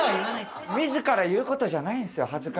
自ら言うことじゃないんですよ恥ずかしい。